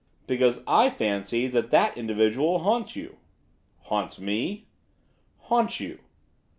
'Because I fancy that that individual haunts you.' 'Haunts me?' 'Haunts you.